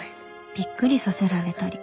びっくりさせられたり